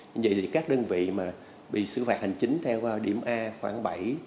như vậy thì các đơn vị mà bị xử phạt hành chính theo điểm a khoảng bảy